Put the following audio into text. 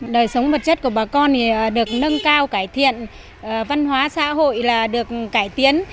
đời sống vật chất của bà con được nâng cao cải thiện văn hóa xã hội là được cải tiến